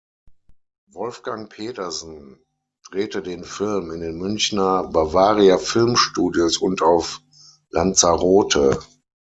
Wolfgang Petersen drehte den Film in den Münchner Bavaria Filmstudios und auf Lanzarote.